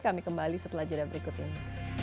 kami kembali setelah jadwal berikut ini